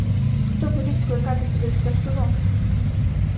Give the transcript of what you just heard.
Хто велів скликати сюди все село?